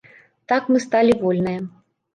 Так мы сталі вольныя.